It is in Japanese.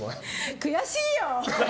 悔しいよ！